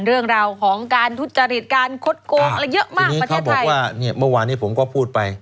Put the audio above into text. เรื่องราวของการทุจริตการคดโกงอะไรเยอะมากประเทศไทยบอกว่าเนี่ยเมื่อวานนี้ผมก็พูดไป